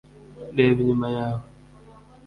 reba inyuma yawe